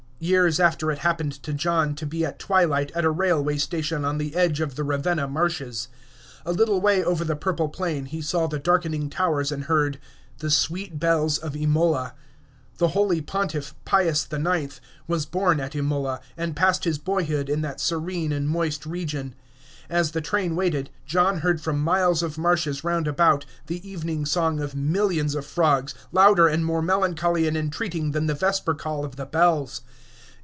Years after it happened to John to be at twilight at a railway station on the edge of the Ravenna marshes. A little way over the purple plain he saw the darkening towers and heard "the sweet bells of Imola." The Holy Pontiff Pius IX. was born at Imola, and passed his boyhood in that serene and moist region. As the train waited, John heard from miles of marshes round about the evening song of millions of frogs, louder and more melancholy and entreating than the vesper call of the bells.